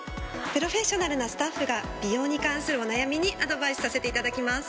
プロフェッショナルなスタッフが美容に関するお悩みにアドバイスさせていただきます。